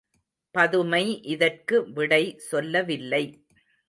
பதுமை இதற்கு விடை சொல்லவில்லை.